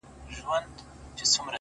• نه یې وېره له انسان وه نه له خدایه,